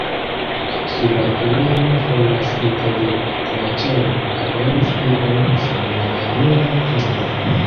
Sur la tereno forlasita de glaĉero aperis io simila al nuna tundro.